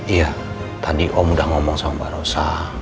iya tadi om udah ngomong sama mbak rosa